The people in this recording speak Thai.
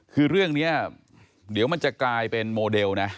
คือเรื่องนี้เดี๋ยวมันจะกลายเป็นโมเดลนะ